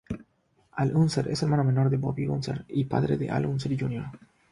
Al Unser es hermano menor de Bobby Unser y padre de Al Unser Jr.